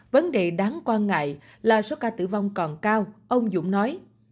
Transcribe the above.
vấn đề đáng quan ngại là số ca tử vong còn cao ông dũng nói